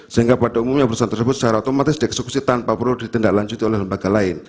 sehingga pada umumnya perusahaan tersebut secara otomatis dieksekusi tanpa perlu ditindaklanjuti oleh lembaga lain